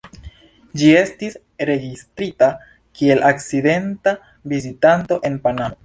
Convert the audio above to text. Ĝi estis registrita kiel akcidenta vizitanto en Panamo.